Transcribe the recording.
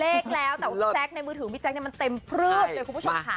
เลขแล้วแต่ว่าแซ็คในมือถือพี่แจ๊คมันเต็มพลื้ดเลยคุณผู้ชมค่ะ